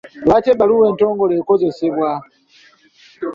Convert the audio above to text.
Lwaki ebbaluwa entongole ekozesebwa?